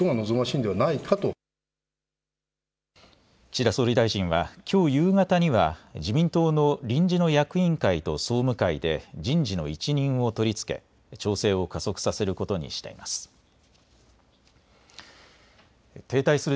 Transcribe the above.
岸田総理大臣はきょう夕方には自民党の臨時の役員会と総務会で人事の一任を取りつけ調整を加速させることにしています。